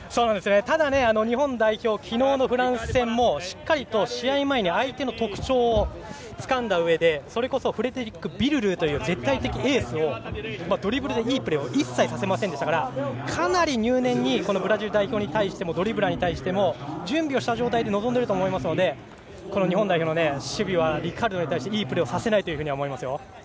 ただ、日本代表昨日のフランス戦もしっかりと試合前に相手の特徴をつかんだうえでそれこそフレデリック・ビルルーという絶対的エースをドリブルでいいプレーを一切させませんでしたからかなり入念にブラジル代表に対してもドリブラーに対しても準備をした状態で臨んでいると思うので日本代表の守備はリカルドに対して、いいプレーをさせないと思いますよ。